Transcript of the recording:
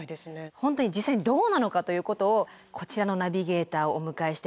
本当に実際にどうなのかということをこちらのナビゲーターをお迎えして。